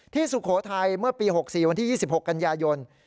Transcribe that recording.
สุโขทัยเมื่อปี๖๔วันที่๒๖กันยายน